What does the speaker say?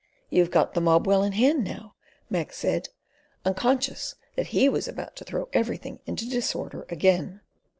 "You've got the mob well in hand now," Mac said, unconscious that he was about to throw everything into disorder again.